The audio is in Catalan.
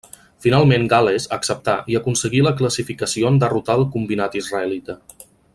Finalment Gal·les acceptà i aconseguí la classificació en derrotar el combinat israelita.